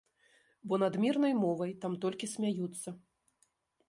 Бо над мірнай мовай там толькі смяюцца.